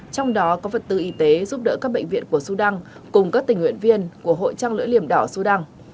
trong đó có vật tư y tế giúp đỡ các bệnh viện của sudan cùng các tình nguyện viên của hội trăng lưỡi liềm đỏ sudan